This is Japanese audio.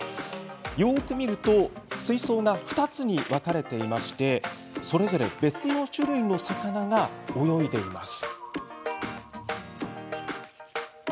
よく見ると水槽が２つに分かれていましてそれぞれ別の種類の魚が泳いでいます。